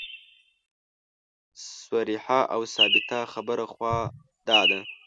صریحه او ثابته خبره خو دا ده.